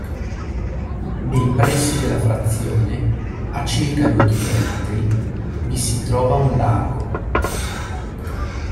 Nei pressi della frazione, a circa due chilometri, vi si trova un lago.